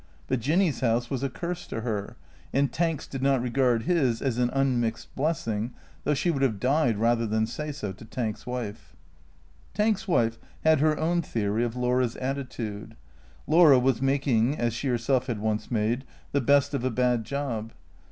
; but Jinny's house was a curse to her, and Tanks did not regard his as an unmixed blessing, though she would have died rather than say so to Tank's wife. Tank's wife had her own theory of Laura's attitude. Laura was making (as she herself had once made) the best of a bad job.